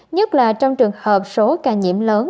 nhất là trong trường hợp số ca nhiễm lớn